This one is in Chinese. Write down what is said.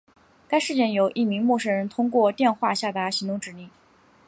该事件由一名陌生人通过电话下达行动指令。